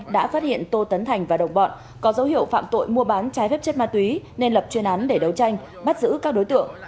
đã phát hiện tô tấn thành và đồng bọn có dấu hiệu phạm tội mua bán trái phép chất ma túy nên lập chuyên án để đấu tranh bắt giữ các đối tượng